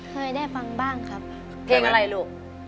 เคยได้ฟังบ้างครับเพลงอะไรลูก